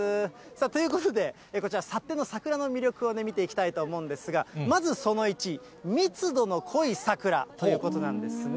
ということで、こちら、幸手の桜の魅力を見ていきたいと思うんですが、まずその１、密度の濃い桜ということなんですね。